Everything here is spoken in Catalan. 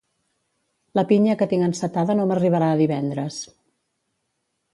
La pinya que tinc encetada no m'arribarà a divendres